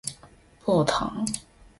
不疼